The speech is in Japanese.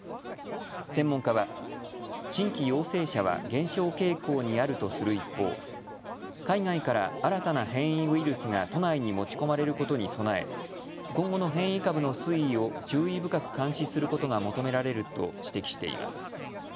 専門家は新規陽性者は減少傾向にあるとする一方、海外から新たな変異ウイルスが都内に持ち込まれることに備え今後の変異株の推移を注意深く監視することが求められると指摘しています。